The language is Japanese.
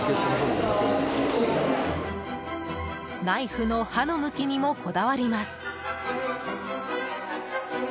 ナイフの刃の向きにもこだわります。